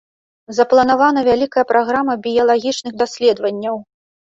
Запланавана вялікая праграма біялагічных даследаванняў.